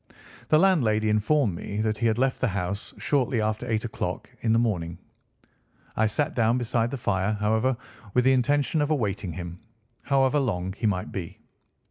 The landlady informed me that he had left the house shortly after eight o'clock in the morning. I sat down beside the fire, however, with the intention of awaiting him, however long he might be.